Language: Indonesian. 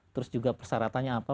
terus juga persyaratannya apa